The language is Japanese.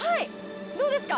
どうですか？